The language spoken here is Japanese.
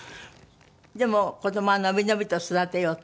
でも子どもは伸び伸びと育てようと？